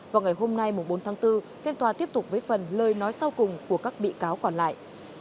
vào ngày hôm nay bốn tháng bốn phiên tòa tiếp tục với phần lời nói sau cùng của các bị cáo còn lại